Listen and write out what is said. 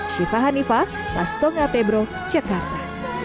syifa hanifah las tonga pebro jakarta